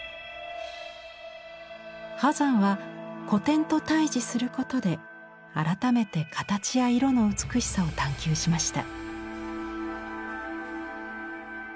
波山は古典と対じすることで改めて形や色の美しさを探求しました。